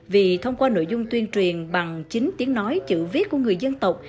vì thông qua nội dung tuyên truyền bằng chính tiếng nói chữ viết của người dân tộc